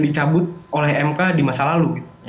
dicabut oleh mk di masa lalu